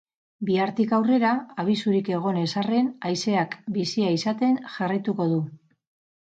Bihartik aurrera, abisurik egon ez arren, haizeak bizia izaten jarraituko du.